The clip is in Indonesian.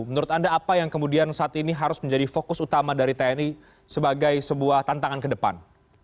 menurut anda apa yang kemudian saat ini harus menjadi fokus utama dari tni sebagai sebuah tantangan ke depan